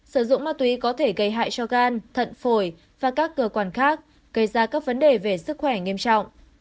sử dụng ma túy có thể gây hại cho gan thận phổi và các cơ quan khác gây ra các vấn đề về sức khỏe nghiêm trọng